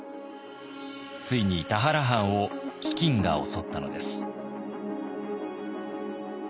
ついに田原藩を飢饉が襲ったのです。